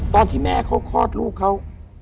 ตอนที่แม่เขาคลอดลูกเขา